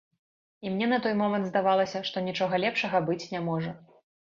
І мне на той момант здавалася, што нічога лепшага быць не можа.